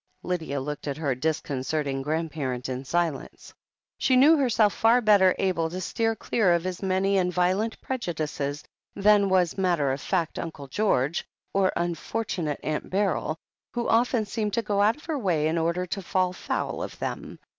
Lydia looked at her disconcerting grandparent in silence. She knew herself far better able to steer clear of his many and violent prejudices than was matter of fact Uncle George, or unfortunate Aunt Beryl, who often seemed to go out of her way in order to fall foul of them.